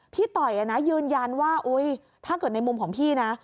ต่อยยืนยันว่าถ้าเกิดในมุมของพี่นะ